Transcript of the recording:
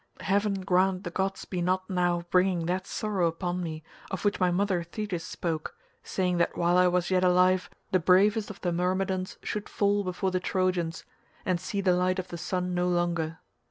Heaven grant the gods be not now bringing that sorrow upon me of which my mother Thetis spoke, saying that while I was yet alive the bravest of the Myrmidons should fall before the Trojans, and see the light of the sun no longer.